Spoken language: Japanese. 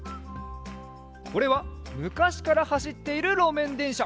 これはむかしからはしっているろめんでんしゃ。